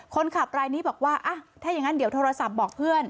คนขับรายนี้บอกว่าถ้าอย่างนั้นเดี๋ยวโทรศัพท์บอกเพื่อน